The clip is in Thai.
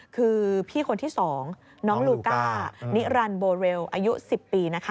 คือพี่คนที่๒น้องลูก้านิรันดิโบเรลอายุ๑๐ปีนะคะ